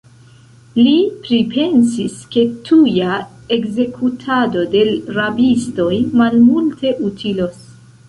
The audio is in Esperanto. Li pripensis, ke tuja ekzekutado de l' rabistoj malmulte utilos.